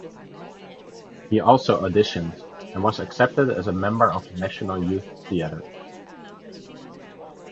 He also auditioned and was accepted as a member of National Youth Theatre.